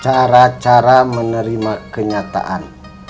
cara cara menerima kenyataan